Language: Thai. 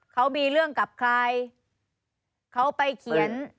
เขามีเรื่องกับใครเขาไปเขียน